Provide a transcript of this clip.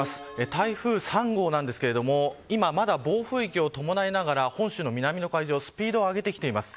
台風３号なんですけども今まだ暴風域を伴いながら本州の南の海上でスピードを上げてきています。